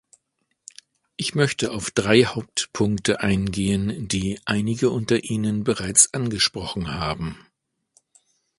Ich möchte auf drei Hauptpunkte eingehen, die einige unter Ihnen bereits angesprochen haben.